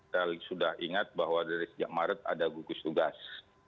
kita sudah ingat bahwa dari sejak maret ada gugus tugas